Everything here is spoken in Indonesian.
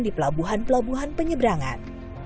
di pelabuhan pelabuhan penyeberangan